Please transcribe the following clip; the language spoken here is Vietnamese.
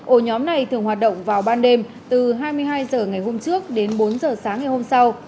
ổ nhóm này thường hoạt động vào ban đêm từ hai mươi hai h ngày hôm trước đến bốn h sáng ngày hôm sau